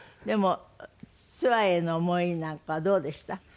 でもツアーへの思いなんかはどうでした？